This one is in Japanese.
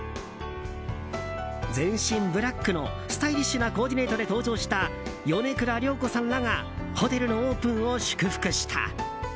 全身ブラックのスタイリッシュなコーディネートで登場した米倉涼子さんらがホテルのオープンを祝福した。